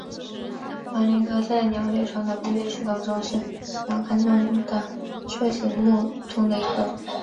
黄鹂科在鸟类传统分类系统中是鸟纲中的雀形目中的一个科。